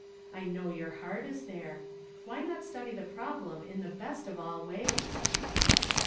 I know your heart is there. Why not study the problem in the bust of ail ways